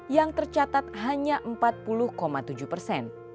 yang tercatat hanya empat puluh tujuh persen